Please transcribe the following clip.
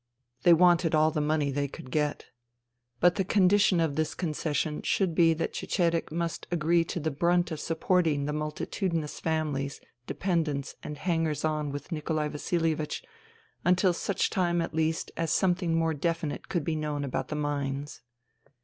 They wanted all the money they could get. But the condition of this concession should be that Cecedek must agree to share the brunt of supporting the multitudinous families, dependents and hangers on with Nikolai Vasilievich until such time at least as something more definite could be known about the mines.